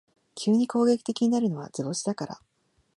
急に攻撃的になるのは図星だから